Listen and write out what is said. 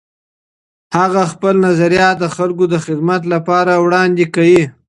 هغه خپل نظریات د خلګو د خدمت لپاره وړاندې کوي.